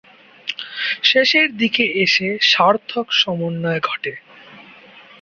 শেষের দিকে এসে সার্থক সমন্বয় ঘটে।